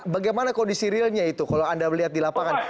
bagaimana kondisi realnya itu kalau anda melihat di lapangan